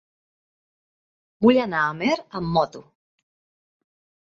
Vull anar a Amer amb moto.